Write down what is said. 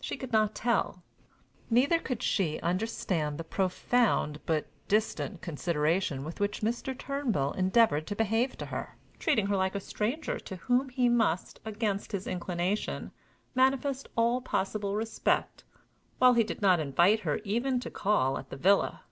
She could not tell. Neither could she understand the profound but distant consideration with which Mr. Turnbull endeavored to behave to her, treating her like a stranger to whom he must, against his inclination, manifest all possible respect, while he did not invite her even to call at _the villa.